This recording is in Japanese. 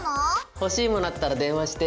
欲しい物あったら電話して。